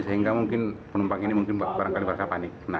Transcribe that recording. sehingga mungkin penumpang ini mungkin barangkali merasa panik